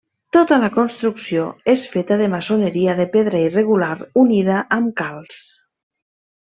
Tota la construcció és feta de maçoneria de pedra irregular unida amb calç.